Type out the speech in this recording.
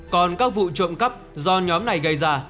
còn các vụ trộm cắp do nhóm này gây ra